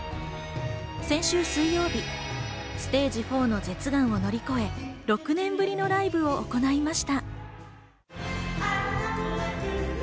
先週水曜日、ステージ４の舌がんを乗り越え、６年ぶりのライブを行いました。